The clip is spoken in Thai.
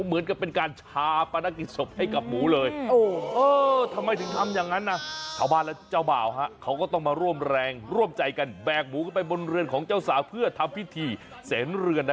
เหมือนกันเป็นการชาปลานะกิสสบให้กับหมูเลย